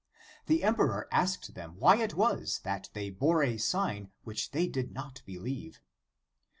The emperor asked them why it was that they bore a sign in which they did not believe.